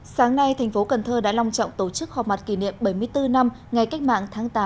sáng nay thành phố cần thơ đã long trọng tổ chức họp mặt kỷ niệm bảy mươi bốn năm ngày cách mạng tháng tám